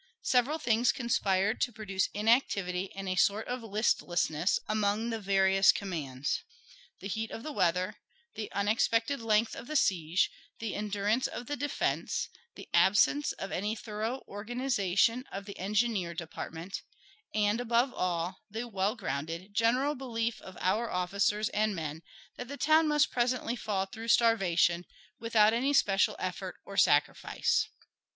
Several things conspired to produce inactivity and a sort of listlessness among the various commands the heat of the weather, the unexpected length of the siege, the endurance of the defense, the absence of any thorough organization of the engineer department, and, above all, the well grounded general belief of our officers and men that the town must presently fall through starvation, without any special effort or sacrifice.